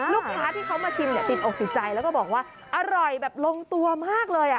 ลูกค้าที่เขามาชิมเนี่ยติดอกติดใจแล้วก็บอกว่าอร่อยแบบลงตัวมากเลย